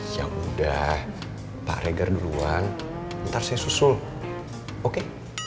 yaudah pak regar duluan ntar saya susul oke